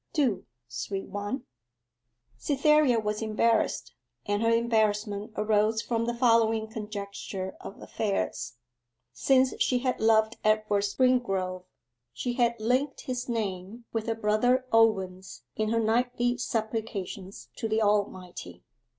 Do, sweet one,' Cytherea was embarrassed, and her embarrassment arose from the following conjuncture of affairs. Since she had loved Edward Springrove, she had linked his name with her brother Owen's in her nightly supplications to the Almighty.